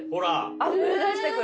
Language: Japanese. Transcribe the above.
あふれ出してくる。